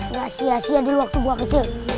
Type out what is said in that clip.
nggak sia sia dulu waktu gue kecil